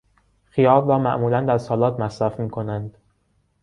خیار را معمولا در سالاد مصرف میکنند.